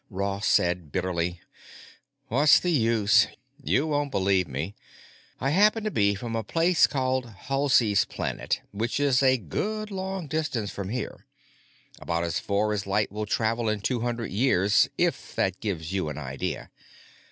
Ross said bitterly, "What's the use? You won't believe me. I happen to be from a place called Halsey's Planet, which is a good long distance from here. About as far as light will travel in two hundred years, if that gives you an idea.